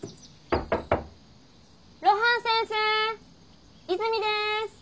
露伴先生泉です。